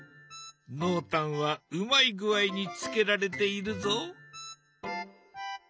濃淡はうまい具合につけられているぞ。